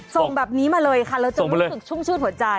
ส่งแบบนี้มาเลยค่ะเราจะรู้สึกชุ่มชื่นหัวใจ